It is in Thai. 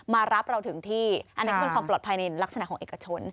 มารับเราถึงที่อันนี้เป็นความปลอดภัยในลักษณะของเอกชน